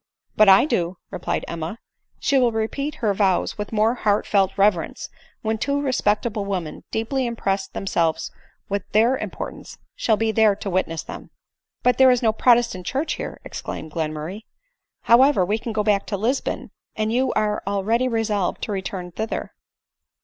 ," But I do," replied Emma. " She will repeat her vows with more heartfelt reverence, when two respect able women, deeply impressed themselves with their im portance, shall be there to witness them." " But there is no pijotestant church here," exclaimed Glenmurray ;" however, we can go back to Lisbon, and you are already resolved to return thither."